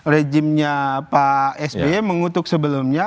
rejimnya pak sby mengutuk sebelumnya